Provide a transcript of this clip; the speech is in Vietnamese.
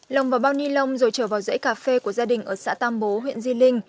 lồng vào bao ni lông rồi trở vào dãy cà phê của gia đình ở xã tam bố huyện di linh